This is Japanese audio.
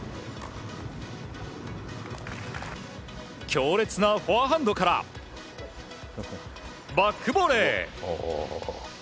強烈なフォアハンドからバックボレー。